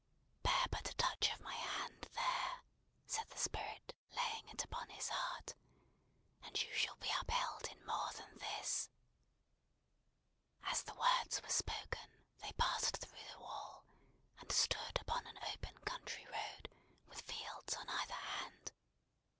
"Bear but a touch of my hand there," said the Spirit, laying it upon his heart, "and you shall be upheld in more than this!" As the words were spoken, they passed through the wall, and stood upon an open country road, with fields on either hand.